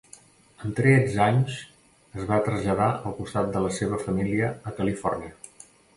Amb tretze anys es va traslladar al costat de la seva família a Califòrnia.